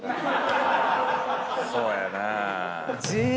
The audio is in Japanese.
そうやなぁ。